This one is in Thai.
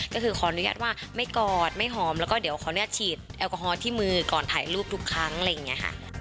ก็คือขออนุญาตว่าไม่กอดไม่หอมแล้วก็เดี๋ยวขออนุญาตฉีดแอลกอฮอลที่มือก่อนถ่ายรูปทุกครั้งอะไรอย่างนี้ค่ะ